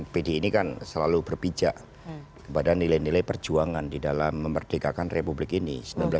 pdi ini kan selalu berpijak kepada nilai nilai perjuangan di dalam memerdekakan republik ini